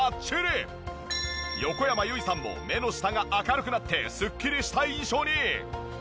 横山由依さんも目の下が明るくなってスッキリした印象に。